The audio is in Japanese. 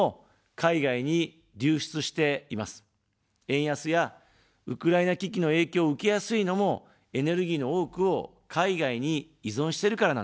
円安やウクライナ危機の影響を受けやすいのも、エネルギーの多くを海外に依存してるからなんですね。